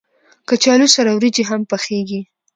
کچالو سره وريجې هم پخېږي